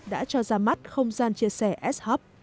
đã cho ra mắt không gian chia sẻ s hop